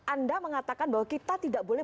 anda mengatakan bahwa kita tidak boleh